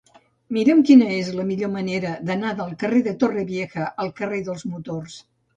Mira'm quina és la millor manera d'anar del carrer de Torrevieja al carrer dels Motors.